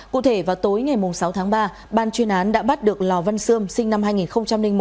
cụ thể vào tối ngày sáu tháng ba ban chuyên án đã bắt được lò văn sươm sinh năm hai nghìn một